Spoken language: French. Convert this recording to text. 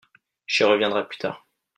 J’y reviendrai plus tard.